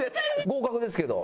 合格ですけど。